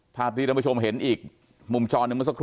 ถ้าที่ทหารผู้ชมเห็นอีกมุมชรหนึ่งสักครู่นี้